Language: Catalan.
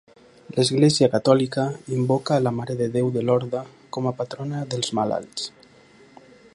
L'Església catòlica invoca a la Mare de Déu de Lorda com a patrona dels malalts.